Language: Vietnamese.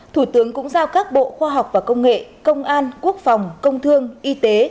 thủ tướng cũng giao các bộ khoa học và công nghệ công an quốc phòng công thương y tế